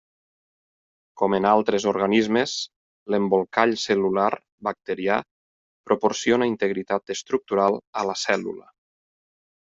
Com en altres organismes, l'embolcall cel·lular bacterià proporciona integritat estructural a la cèl·lula.